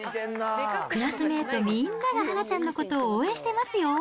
クラスメートみんなが、はなちゃんのことを応援してますよー。